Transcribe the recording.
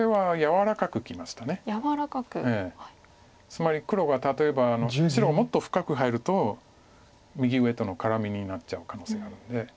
つまり黒が例えば白がもっと深く入ると右上との絡みになっちゃう可能性があるので。